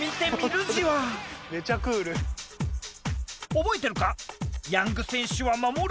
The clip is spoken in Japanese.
⁉覚えてるか？